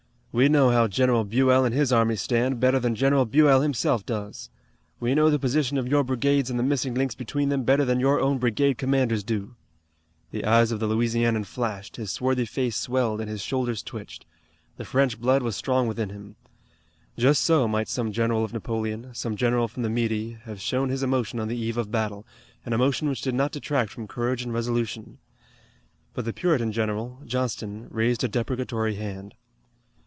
We know how General Buell and his army stand better than General Buell himself does. We know the position of your brigades and the missing links between them better than your own brigade commanders do." The eyes of the Louisianian flashed, his swarthy face swelled and his shoulders twitched. The French blood was strong within him. Just so might some general of Napoleon, some general from the Midi, have shown his emotion on the eve of battle, an emotion which did not detract from courage and resolution. But the Puritan general, Johnston, raised a deprecatory hand.